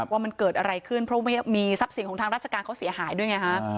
ว่ามันเกิดอะไรขึ้นเพราะว่ามีทรัพย์สินของทางราชการเขาเสียหายด้วยไงฮะ